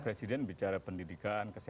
presiden bicara pendidikan kesehatan itu repetisi